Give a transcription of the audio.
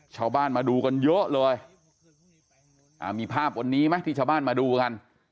ชาวบ้านมาดูกันเยอะเลยอ่ามีภาพวันนี้ไหมที่ชาวบ้านมาดูกัน